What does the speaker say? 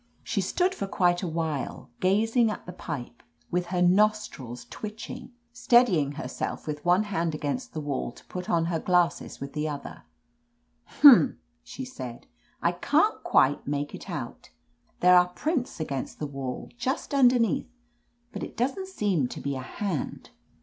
She stood for quite a while, gazing at the pipe, with her nostrils twitching, steadying herself with 47 THE AMAZING ADVENTURES one hand against the wall to put on her glasses with the other. "Humph !" she said. "I can't quite make it 'out There are prints against the wall just underneath, but it doesn't seem to be a hand."